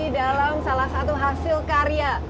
dalam salah satu hasil karya